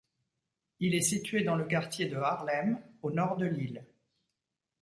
Il est situé dans le quartier de Harlem, au nord de l'île.